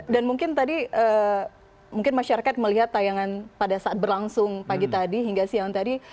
dan mungkin tadi mungkin masyarakat melihat tayangan pada saat berlangsung pagi tadi hingga siang tadi